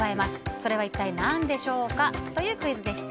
それは一体何でしょうか？というクイズでした。